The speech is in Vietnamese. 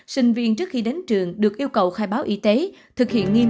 sinh viên trước khi đến trường được yêu cầu khai báo y tế thực hiện nghiêm năm k